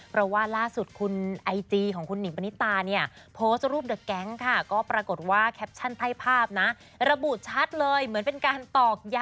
เพราะว่าล่าสุดคุณไอจีของคุณหนิงปานิตาเนี่ย